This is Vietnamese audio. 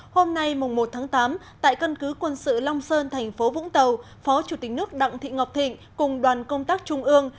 hôm nay một tháng tám tại cân cứ quân sự long sơn thành phố vũng tàu phó chủ tịch nước đặng thị ngọc thịnh cùng đoàn công tác trung ương